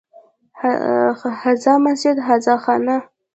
هذا مسجد، هذا خانه